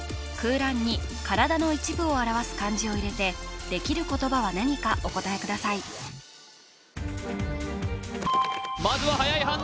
空欄に体の一部を表す漢字を入れて出来る言葉は何かお答えください